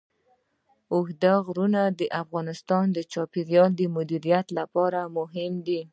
اوږده غرونه د افغانستان د چاپیریال د مدیریت لپاره مهم دي.